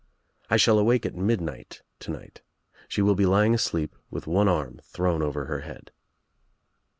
I shall awake at midnight to night. She will be lying asleep with one I arm thrown over her head.